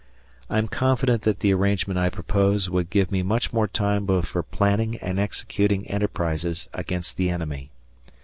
I am confident that the arrangement I propose would give me much more time both for planning and executing enterprises against the enemy.